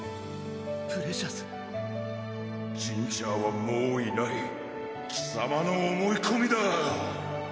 プレシャスジンジャーはもういない貴様の思いこみだ！